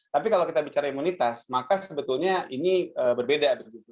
tapi kalau kita bicara imunitas maka sebetulnya ini berbeda